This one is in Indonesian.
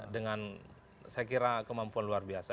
dengan saya kira kemampuan luar biasa